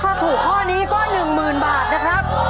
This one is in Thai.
ถ้าถูกข้อนี้ก็๑๐๐๐บาทนะครับ